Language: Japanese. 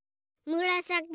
むらさき！